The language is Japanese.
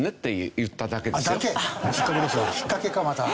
引っかけかまた。